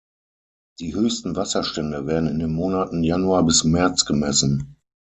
Die höchsten Wasserstände werden in den Monaten Januar bis März gemessen.